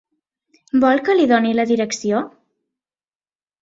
Vol que li doni la direcció?